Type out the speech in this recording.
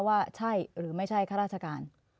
ว่าใช่หรือไม่ใช่ข้าราชการ